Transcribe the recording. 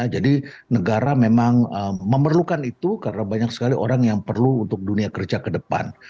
jadi negara memang memerlukan itu karena banyak sekali orang yang perlu untuk dunia kerja kedepan